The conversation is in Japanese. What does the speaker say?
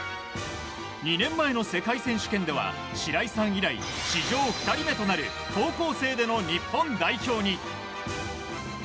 ２年前の世界選手権では白井さん以来史上２人目となる高校生での日本代表に。